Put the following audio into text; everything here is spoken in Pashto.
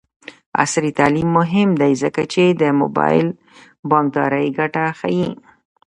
عصري تعلیم مهم دی ځکه چې د موبايل بانکدارۍ ګټې ښيي.